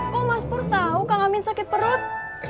kok mas pur tahu kang amin sakit perut